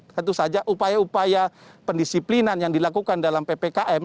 tentu saja upaya upaya pendisiplinan yang dilakukan dalam ppkm